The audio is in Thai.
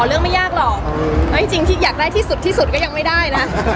เรื่องไม่ยากหรอกแล้วจริงที่อยากได้ที่สุดที่สุดก็ยังไม่ได้นะ